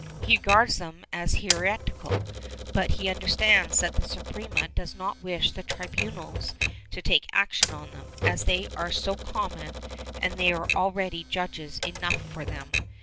He regards them as heretical, but he understands that the Suprema does not wish the tribunals to take action on them, as they are so common and there are already judges enough for them.